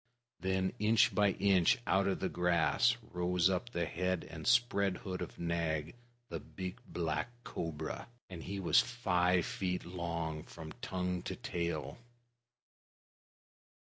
Then inch by inch out of the grass rose up the head and spread hood of Nag, the big black cobra, and he was five feet long from tongue to tail.